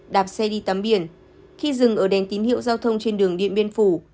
đạp xe đi tắm biển khi dừng ở đèn tín hiệu giao thông trên đường điện biên phủ